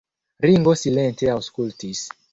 Ringo silente aŭskultis.